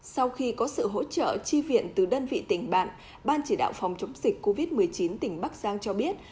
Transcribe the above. sau khi có sự hỗ trợ chi viện từ đơn vị tỉnh bạn ban chỉ đạo phòng chống dịch covid một mươi chín tỉnh bắc giang cho biết